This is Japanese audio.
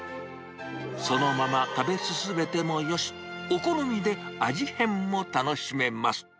そのまま食べ進めてもよし、お好みで味変も楽しめます。